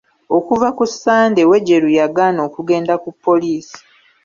Okuva ku Sande Wejuru yagaana okugenda ku poliisi.